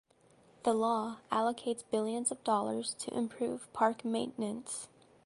The law allocates billions of dollars to improve park maintenance.